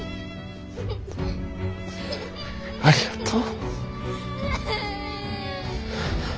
ありがとう。